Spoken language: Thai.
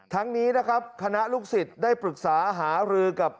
ทั้งนี้นะครับคณะลูกศิษย์ได้ปรึกษาหารือกับ